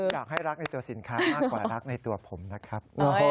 อยากให้รักในตัวสินค้ามากกว่ารักในตัวผมนะครับ